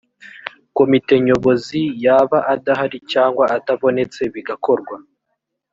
komite nyobozi yaba adahari cyangwa atabonetse bigakorwa